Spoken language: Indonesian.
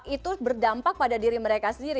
itu berdampak pada diri mereka sendiri